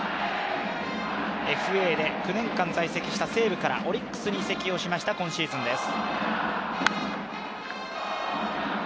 ＦＡで９年間在籍した西武からオリックスに移籍しました今シーズンです。